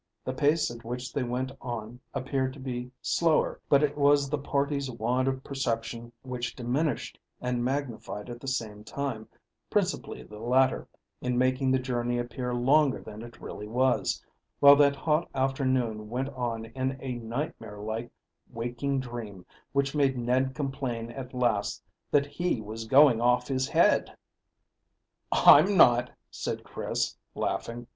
The pace at which they went on appeared to be slower, but it was the party's want of perception which diminished and magnified at the same time, principally the latter, in making the journey appear longer than it really was, while that hot afternoon went on in a nightmare like waking dream which made Ned complain at last that he was going off his head. "I'm not," said Chris, laughing.